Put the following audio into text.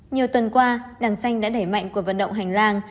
nhiều tuần qua đảng xanh đã đẩy mạnh của vận động hành lang